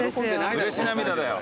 うれし涙だよ。